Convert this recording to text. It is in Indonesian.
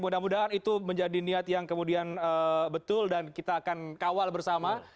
mudah mudahan itu menjadi niat yang kemudian betul dan kita akan kawal bersama